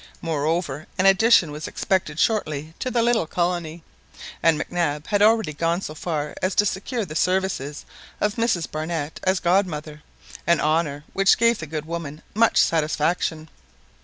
Moreover, an addition was expected shortly to the little colony; and Mac Nab had already gone so far as to secure the services of Mrs Barnett as god mother, an honour which gave the good woman much satisfaction.